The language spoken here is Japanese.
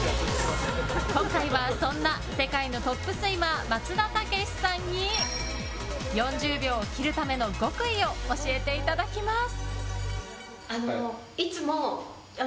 今回はそんな世界のトップスイマー松田丈志さんに４０秒を切るための極意を教えていただきます。